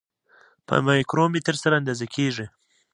په مایکرومتر سره اندازه کیږي.